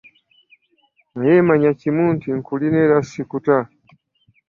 Naye manya kimu nti nkulina era ssikuta.